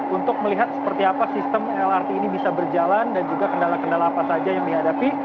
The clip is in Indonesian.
untuk melihat seperti apa sistem lrt ini bisa berjalan dan juga kendala kendala apa saja yang dihadapi